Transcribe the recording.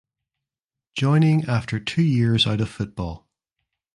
Joining after two years out of football.